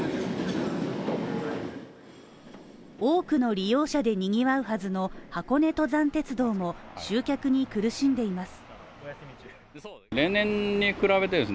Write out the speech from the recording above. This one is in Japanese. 多くの利用者でにぎわうはずの箱根登山鉄道も集客に苦しんでいます。